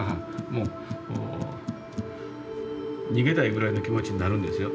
もう逃げたいぐらいの気持ちになるんですよ。